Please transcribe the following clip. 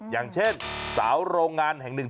อย่างเช่นสาวโรงงานแห่งหนึ่ง